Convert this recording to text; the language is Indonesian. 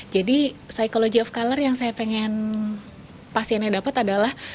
jadi psychology of color yang saya pengen pasiennya dapat adalah